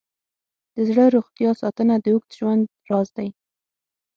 د زړه روغتیا ساتنه د اوږد ژوند راز دی.